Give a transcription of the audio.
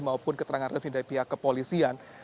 maupun keterangan resmi dari pihak kepolisian